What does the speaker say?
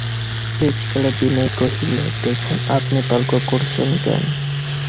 শেষকালে বিনয় কহিল, দেখুন, আপনি তর্ক করছেন কেন?